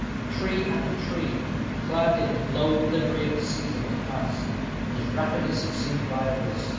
Tree after tree, clad in the glowing livery of the season, was passed, and as rapidly succeeded by others.